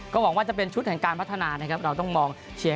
ก็หวังว่าจะเป็นชุดแห่งการพัฒนานะครับเราต้องมองเชียร์